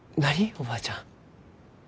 おばあちゃん。